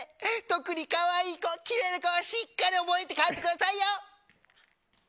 特に可愛い子、きれいな子はしっかり覚えて帰ってくださいよ！